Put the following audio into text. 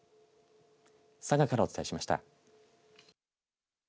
佐賀からお伝えしました。